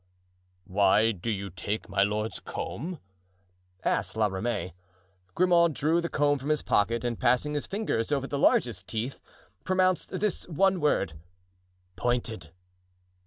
"Why do you take my lord's comb?" asked La Ramee. Grimaud drew the comb from his pocket and passing his fingers over the largest teeth, pronounced this one word, "Pointed."